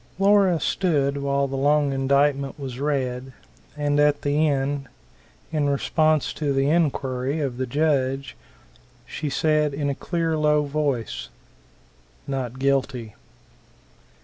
Laura stood while the long indictment was read; and at the end, in response to the inquiry, of the judge, she said in a clear, low voice; "Not guilty."